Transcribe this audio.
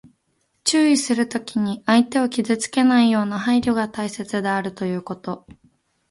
注意するときに、相手を傷つけないような配慮が大切であるということ。